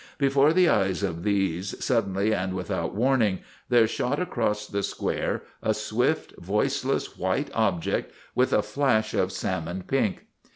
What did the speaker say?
Before the eyes of these, suddenly and without warn ing, there shot across the square a swift, voiceless, white object with a flash of salmon pink.